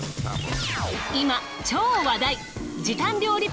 今超話題。